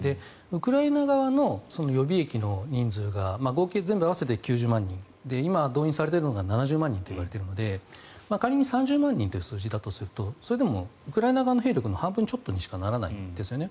ウクライナ側の予備役の人数が合計、全部で合わせて９０万人今、動員されているのが７０万人といわれているので仮に３０万人という数字だとするとそれでもウクライナ側の兵力の半分ちょっとにしかならないですよね。